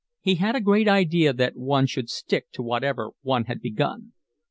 He had a great idea that one should stick to whatever one had begun.